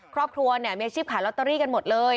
ครอบครัวเนี่ยมีอาชีพขายลอตเตอรี่กันหมดเลย